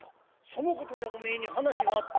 そのことでおめえに話があった」。